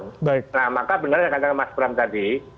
nah maka benar yang katakan mas bram tadi